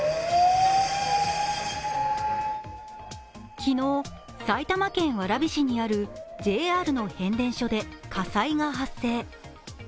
昨日、埼玉県蕨市にあるＪＲの変電所で火災が発生。